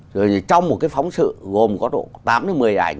rồi trong một cái phóng sự gồm có độ tám đến một mươi ảnh